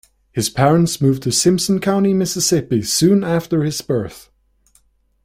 His parents moved to Simpson County, Mississippi soon after his birth.